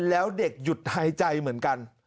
แล้วเด็กหยุดหายใจเหมือนกัน